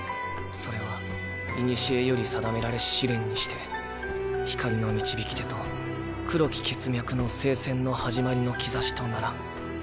それは古より定められし試練にして光の導き手と黒き血脈の聖戦の始まりの兆しとならん」。